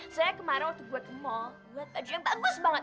soalnya kemarin waktu gue ke mall gue liat baju yang bagus banget